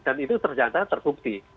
dan itu terjata terbukti